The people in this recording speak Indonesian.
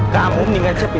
kamu mendingan siapa ini